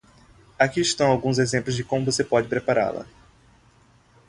Aqui estão alguns exemplos de como você pode prepará-la: